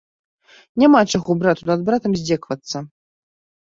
Няма чаго брату над братам здзекавацца.